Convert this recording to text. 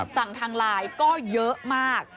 ทางไลน์ก็เยอะมาก